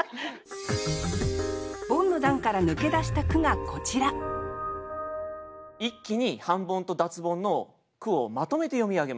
ボンの段から抜け出した句がこちら一気に半ボンと脱ボンの句をまとめて読み上げます。